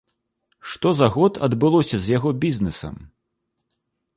Што за год адбылося з яго бізнесам?